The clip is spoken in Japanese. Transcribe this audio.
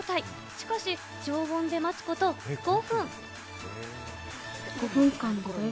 しかし常温で待つこと５分。